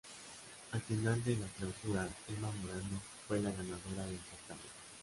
Al final de la clausura Emma Morano fue la ganadora del certamen.